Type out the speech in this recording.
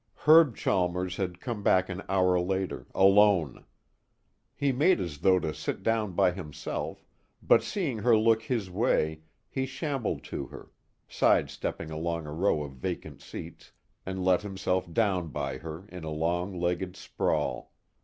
Herb Chalmers had come back an hour later, alone. He made as though to sit down by himself, but seeing her look his way, he shambled to her, side stepping along a row of vacant seats, and let himself down by her in a long legged sprawl.